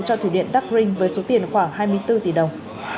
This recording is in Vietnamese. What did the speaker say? cho thủy điện dark ring với số tiền khoảng hai mươi bốn tỷ đồng